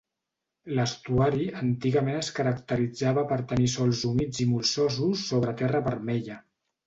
L'estuari antigament es caracteritzava per tenir sòls humits i molsosos sobre terra vermella.